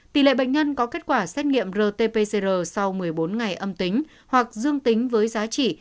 tỷ lệ bệnh nhân có kết quả xét nghiệm rt pcr sau một mươi bốn ngày âm tính hoặc dương tính với giá trị